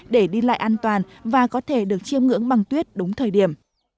để an toàn và có thể được chiêm ngưỡng bằng tuyết đúng thời điểm